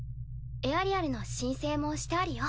エアリアルの申請もしてあるよ。